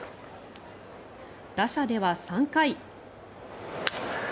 打者では３回。